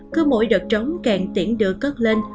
cứ mỗi đợt trống càng tiễn đựa cất lên